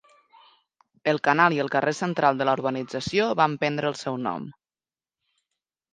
El canal i el carrer central de la urbanització van prendre el seu nom.